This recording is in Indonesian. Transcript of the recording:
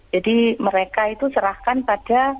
jadi mereka itu serahkan pada